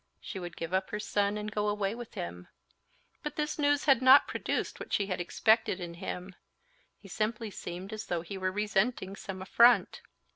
she would give up her son and go away with him. But this news had not produced what she had expected in him; he simply seemed as though he were resenting some affront.